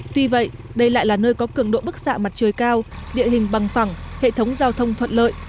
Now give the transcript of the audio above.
tuy vậy đây lại là nơi có cường độ bức xạ mặt trời cao địa hình bằng phẳng hệ thống giao thông thuận lợi